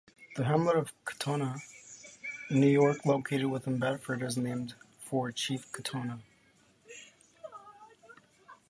The hamlet of Katonah, New York, located within Bedford, is named for Chief Katonah.